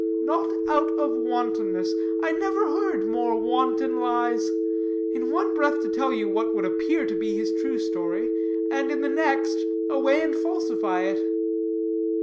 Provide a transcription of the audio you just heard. "Not out of wantonness. I never heard more wanton lies. In one breath to tell you what would appear to be his true story, and, in the next, away and falsify it."